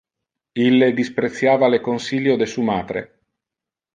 Ille dispreciava le consilio de su matre.